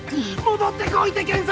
戻ってこいて賢作！